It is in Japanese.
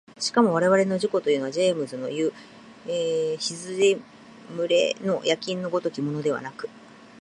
しかも我々の自己というのはジェームスのいう羊群の焼印の如きものではなく、